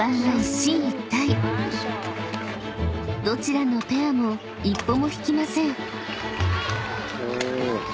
［どちらのペアも一歩も引きません］